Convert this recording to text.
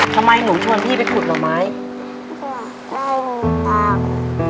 ทำไมหนูชวนพี่ไปขุดหน่อไม้อยากได้มีตังค์